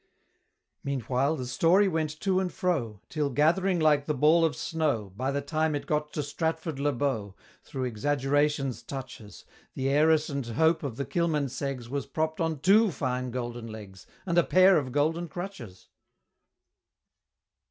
Meanwhile the story went to and fro, Till, gathering like the ball of snow, By the time it got to Stratford le Bow, Through Exaggeration's touches, The Heiress and hope of the Kilmanseggs Was propp'd on two fine Golden Legs, And a pair of Golden Crutches!